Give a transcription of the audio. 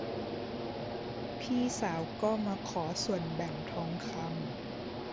พี่สาวก็มาขอส่วนแบ่งทองคำ